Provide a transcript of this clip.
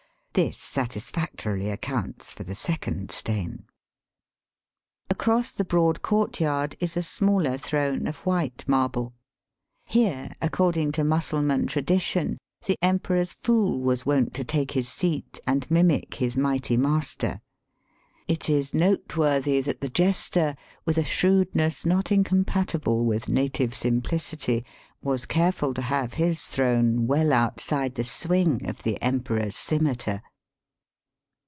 This satisfactorily accounts for the second stain. Across the broad courtyard is a smaller throne of white marble. Here, according to Mussulman tradition, the Emperor's fool was wont to take his seat and mimic his mighty master. It is noteworthy that the jester, with a shrewdness not incompatible with native simplicity, was careful to have his throne well outside the swing of the Emperor's scimitar.